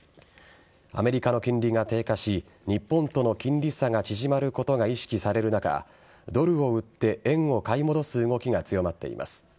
アメリカの金利が低下し日本との金利差が縮まることが意識される中ドルを売って円を買い戻す動きが強まっています。